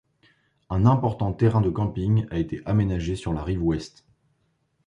Un important terrain de camping a été aménagé sur la rive ouest.